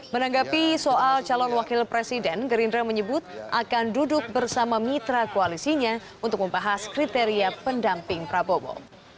menanggapi soal calon wakil presiden gerindra menyebut akan duduk bersama mitra koalisinya untuk membahas kriteria pendamping prabowo